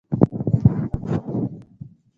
د کابل اوبه کمې شوې دي